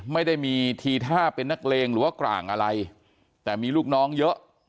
ไม่ได้มีทีท่าเป็นนักเลงหรือว่ากร่างอะไรแต่มีลูกน้องเยอะ